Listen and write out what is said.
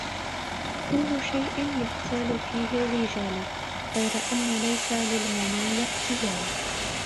كل شيء يختال فيه الرجال غير أن ليس للمنايا احتيال